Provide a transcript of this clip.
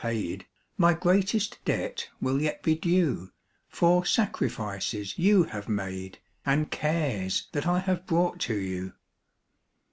'* 7^0 My greatest debt will yet be due For sacrifices you bave made And cares that I have brought to you.